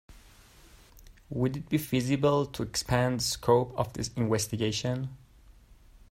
Would it be feasible to expand the scope of this investigation?